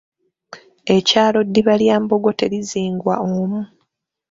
Ekyalo ddiba lya mbogo terizingwa omu